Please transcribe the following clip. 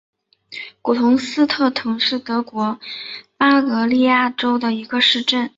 古滕斯特滕是德国巴伐利亚州的一个市镇。